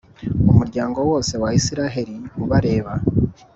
umuryango wose wa Israheli ubareba!